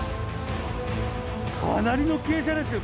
かなりの傾斜ですけど。